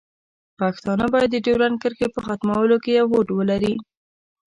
پښتانه باید د ډیورنډ کرښې په ختمولو کې یو هوډ ولري.